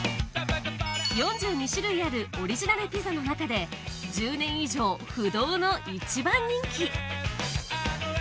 ４２種類あるオリジナルピザの中で１０年以上不動の一番人気！